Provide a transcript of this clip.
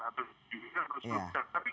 atau juga harus besar